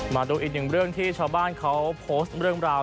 มาดูอีกหนึ่งเรื่องที่ชาวบ้านเขาโพสต์เรื่องราว